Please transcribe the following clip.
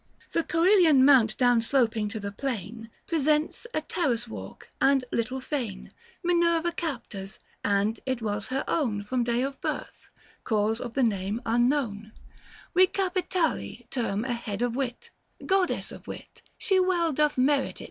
— The Ccelian mount down sloping to the plain, Presents a terrace walk and little Fane, Minerva Capta's — and it was her own, 895 From day of birth, cause of the name unknown: We Capitale term a head of wit, Goddess of wit — she well doth merit it.